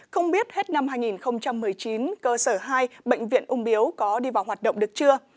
không biết hết năm hai nghìn một mươi chín cơ sở hai bệnh viện ung biếu có đi vào hoạt động được chưa